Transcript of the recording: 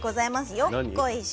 よっこいしょ。